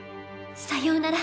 さようなら。